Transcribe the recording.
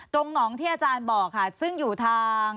ตรงน้องที่อาจารย์บอกค่ะ